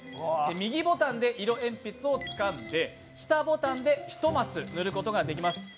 右ボタンで色鉛筆をつかんで、下ボタンで１ます塗ることができます。